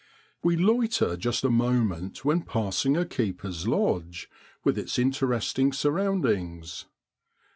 We loiter just a moment when passing a keeper's lodge, with its interesting surroundings.